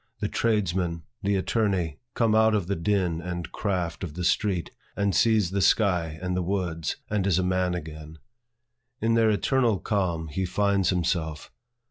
The tradesman, the attorney comes out of the din and craft of the street, and sees the sky and the woods, and is a man again. In their eternal calm, he finds himself.